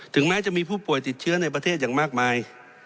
แม้จะมีผู้ป่วยติดเชื้อในประเทศอย่างมากมาย